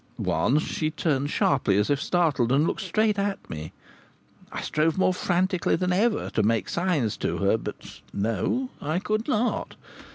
Once she turned sharply, as if startled, and looked straight at me. I strove more frantically than ever to make signs to her; but no, I could not.